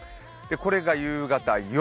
これが夕方、夜。